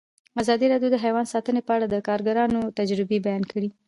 ازادي راډیو د حیوان ساتنه په اړه د کارګرانو تجربې بیان کړي.